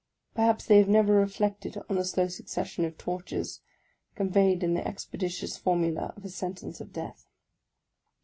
Perhaps they have never reflected on the slow succession of tortures conveyed in the expeditious formula of a sentence of death.